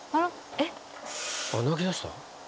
えっ？泣きだした？